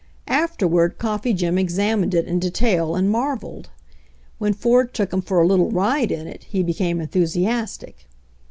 Afterward Coffee Jim examined it in detail and marveled. When Ford took him for a little ride in it Tie became enthusiastic.